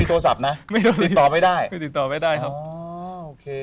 โอเค